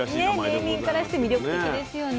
ネーミングからして魅力的ですよね。